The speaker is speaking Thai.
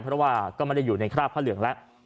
เพราะว่าก็ไม่ได้อยู่ในคราบผ้าเหลืองแล้ว